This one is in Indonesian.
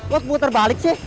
lo buat terbalik sih